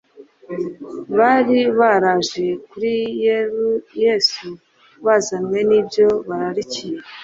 bari baraje kuri Yesu bazanywe n'ibyo bararikiye.